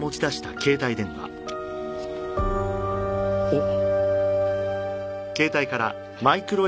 おっ。